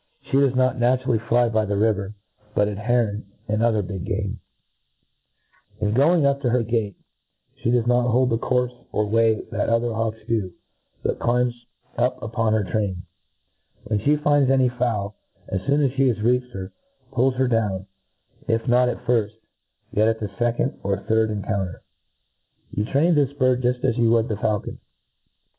She docs not naturally fly the river, but at heron, and other big game. In going up to D d her 210, A TREATISE QF her gatcL, fhe does not hold the courfe or way that other hawks do, but climbs ^p upon her train. When ihc finds any fowl, and as foon as flie has reached her, puHs her 4own, if not at firft, yet at the fecond or third encounter* Ygu train this bird juft as you d6 t^ faul con.